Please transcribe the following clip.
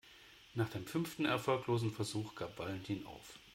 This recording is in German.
Nach dem fünften erfolglosen Versuch gab Valentin auf.